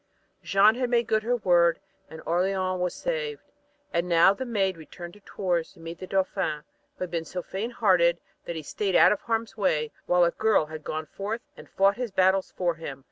Jeanne had made good her word and Orleans was saved. And now the Maid returned to Tours to meet the Dauphin, who had been so faint hearted that he stayed out of harm's way while a girl had gone forth and fought his battles for him.